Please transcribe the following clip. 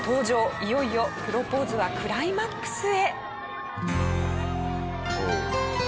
いよいよプロポーズはクライマックスへ。